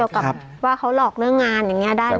กับว่าเขาหลอกเรื่องงานอย่างนี้ได้ไหม